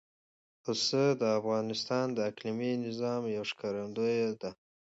پسه د افغانستان د اقلیمي نظام یو ښکارندوی ده.